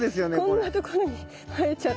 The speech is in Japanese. こんなところに生えちゃって。